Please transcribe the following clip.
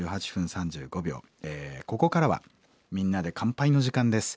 ここからは「みんなで乾杯」の時間です。